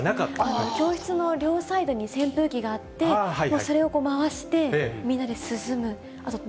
教室の両サイドに扇風機があって、もうそれを回して、みんなで涼む。